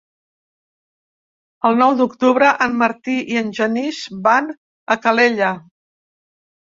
El nou d'octubre en Martí i en Genís van a Calella.